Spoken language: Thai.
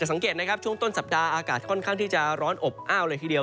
สังเกตนะครับช่วงต้นสัปดาห์อากาศค่อนข้างที่จะร้อนอบอ้าวเลยทีเดียว